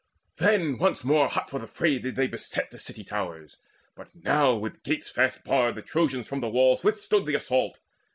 Then once more hot for the fray did they beset The city towers. But now with gates fast barred The Trojans from the walls withstood the assault.